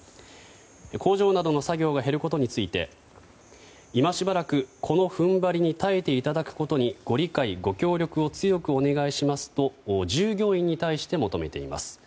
工場などの作業が減ることについて今しばらくこの踏ん張りに耐えていただくことにご理解ご協力を強くお願いしますと従業員に対して求めています。